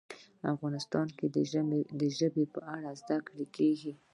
افغانستان کې د ژبې په اړه زده کړه کېږي.